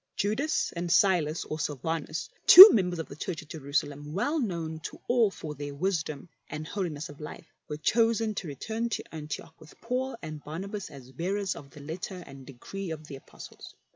Judas and Silas, or Silvanus, two members of the Church at Jerusalem well known to all for their wisdom and holiness of life, were chosen to return to Antioch with Paul and THE OLD LAW OR THE NEW ? 55 Barnabas as bearers of the letter and decree of the Apostles.